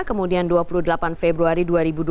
kemudian dua puluh delapan februari dua ribu dua puluh